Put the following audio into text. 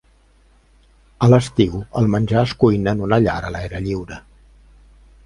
A l'estiu, el menjar es cuina en una llar a l'aire lliure.